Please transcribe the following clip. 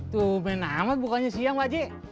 tuh main amat bukanya siang pakcik